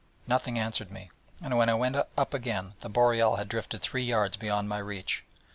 _' Nothing answered me: and when I went up again, the Boreal had drifted three yards beyond my reach.